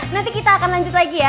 nanti kita akan lanjut lagi ya